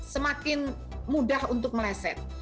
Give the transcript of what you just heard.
semakin mudah untuk meleset